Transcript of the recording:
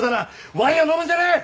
ワインを飲むんじゃねえ！